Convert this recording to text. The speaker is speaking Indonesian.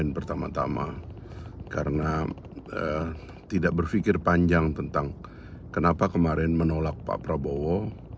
pertama tama karena tidak berpikir panjang tentang kenapa kemarin menolak pak prabowo